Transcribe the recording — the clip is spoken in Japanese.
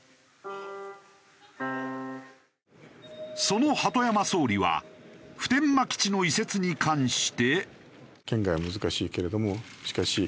その鳩山総理は普天間基地の移設に関して。